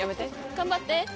頑張って。